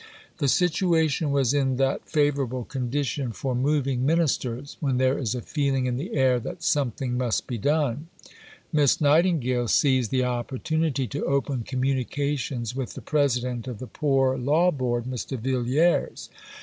The situation was in that favourable condition for moving Ministers when there is a feeling in the air that "something must be done." Miss Nightingale seized the opportunity to open communications with the President of the Poor Law Board, Mr. Villiers.